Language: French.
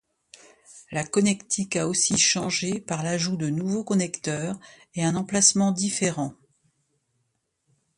La connectique a aussi changé par l'ajout de nouveaux connecteurs et un emplacement différent.